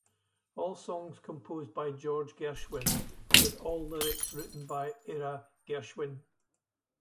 All songs composed by George Gershwin, with all lyrics written by Ira Gershwin.